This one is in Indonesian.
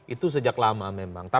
itu sejak lama memang